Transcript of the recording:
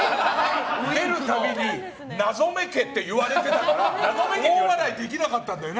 出るたびに謎めけって言われてたから大笑いできなかったんだよね